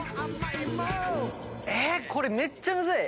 これめっちゃむずい！